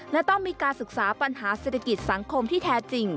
และต้องมีการศึกษาปัญหาเศรษฐกิจสังคมที่แท้จริง